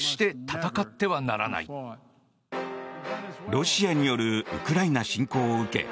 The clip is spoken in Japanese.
ロシアによるウクライナ侵攻を受け